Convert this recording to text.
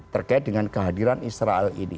terkait dengan kehadiran israel ini